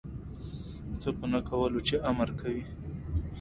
څه په نه کولو چی امر کوی